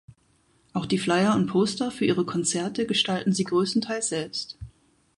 Auch die Flyer und Poster für ihre Konzerte gestalten sie größtenteils selbst.